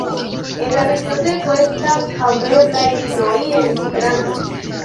En la biblioteko estas haveblaj libroj en Esperanto.